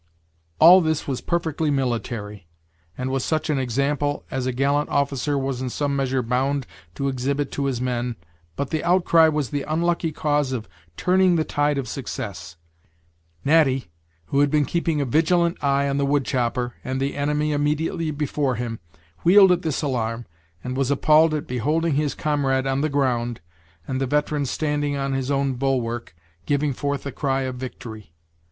All this was perfectly military, and was such an example as a gallant officer was in some measure bound to exhibit to his men but the outcry was the unlucky cause of turning the tide of success. Natty, who had been keeping a vigalent eye on the wood chopper, and the enemy immediately before him, wheeled at this alarm, and was appalled at beholding his comrade on the ground, and the veteran standing on his own bulwark, giving forth the cry of victory!